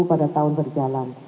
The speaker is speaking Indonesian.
pada tahun berjalan